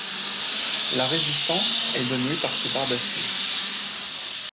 La résistance est donnée par ces barres d'acier.